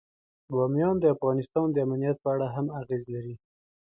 بامیان د افغانستان د امنیت په اړه هم اغېز لري.